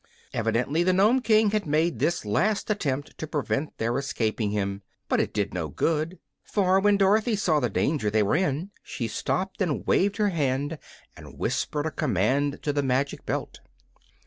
Evidently the Nome King had made this last attempt to prevent their escaping him; but it did him no good, for when Dorothy saw the danger they were in she stopped and waved her hand and whispered a command to the magic belt.